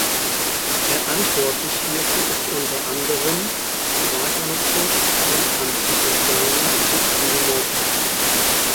Verantwortlich hierfür ist unter anderem die Weiternutzung von antiken Steinen bis in die Neuzeit.